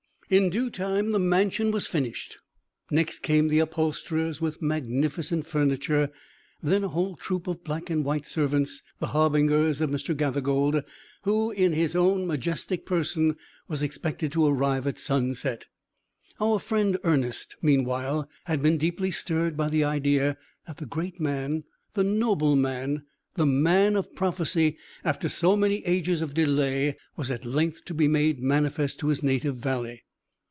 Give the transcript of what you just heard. In due time, the mansion was finished; next came the upholsterers, with magnificent furniture; then, a whole troop of black and white servants, the harbingers of Mr. Gathergold, who, in his own majestic person, was expected to arrive at sunset. Our friend Ernest, meanwhile, had been deeply stirred by the idea that the great man, the noble man, the man of prophecy, after so many ages of delay, was at length to be made manifest to his native valley.